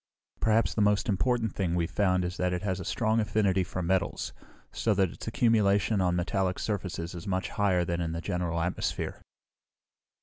"Perhaps the most important thing we've found is that it has a strong affinity for metals, so that its accumulation on metallic surfaces is much higher than in the general atmosphere."